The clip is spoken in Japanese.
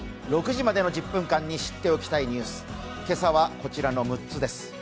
６時までの１０分間に知っておきたいニュース、今朝は、こちらの６つです。